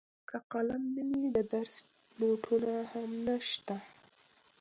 که قلم نه وي د درس نوټونه هم نشته.